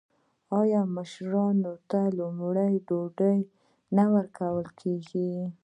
آیا مشر ته لومړی ډوډۍ نه ورکول کیږي؟